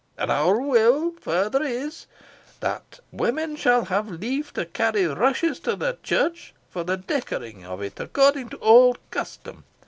And our will further is, that women shall have leave to carry rushes to the church, for the decoring of it, according to auld custom.